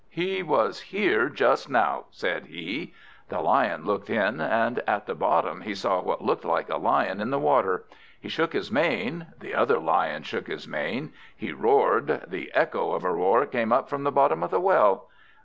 "He was here just now," said he. The Lion looked in, and at the bottom he saw what looked like a Lion in the water. He shook his mane the other Lion shook his mane. He roared the echo of a roar came up from the bottom of the well.